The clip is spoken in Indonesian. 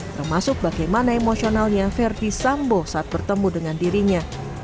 termasuk bagaimana emosionalnya verdi sambo saat bertemu dengan dirinya